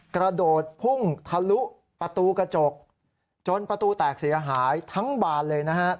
กระโดดพุ่งทะลุประตูกระจกจนประตูแตกเสียหายทั้งบานเลยนะฮะ